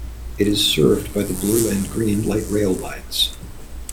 It is served by the Blue and Green light rail lines.